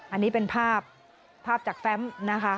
อันนี้เป็นภาพภาพจากแฟมนะคะ